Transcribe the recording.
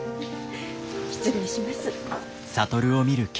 失礼します。